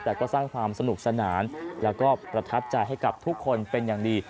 แต่ก็สร้างความสนุกสนานแล้วก็ประทับใจให้กับทุกคนเป็นอย่างดี